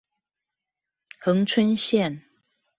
恆春線